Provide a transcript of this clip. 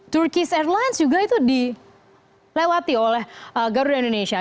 turkish airlines juga itu dilewati oleh garuda indonesia